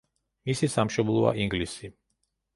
მისი სამშობლოა ინგლისი.